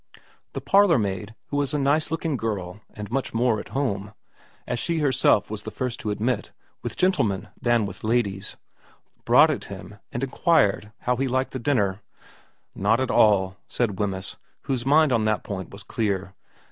The parlourmaid, who was a nice looking girl and much more at home, as she herself was the first to admit, with gentlemen than with ladies, brought it him, and inquired how he had liked the dinner. ' Not at all,' said Wemyss, whose mind on that point was clear.